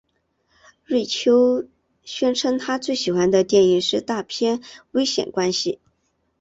瑞秋宣称他最喜欢的电影是大片危险关系。